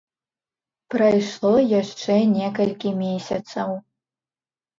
Прайшло яшчэ некалькі месяцаў.